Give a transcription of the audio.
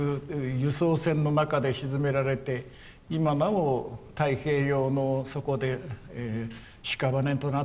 輸送船の中で沈められて今なお太平洋の底でしかばねとなって眠っているのか。